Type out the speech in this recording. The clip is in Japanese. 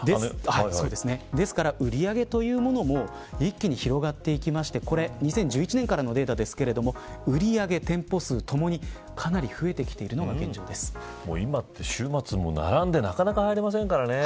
ですから、売り上げというものも一気に広がっていきまして２０１１年からのデータですが売上、店舗数共に、かなり今って週末並んでなかなか入れませんからね。